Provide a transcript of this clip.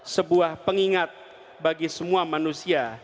sebuah pengingat bagi semua manusia